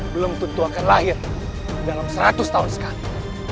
belum tentu akan lahir dalam seratus tahun sekali